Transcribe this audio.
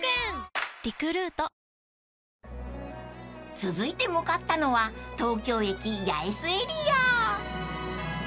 ［続いて向かったのは東京駅八重洲エリア］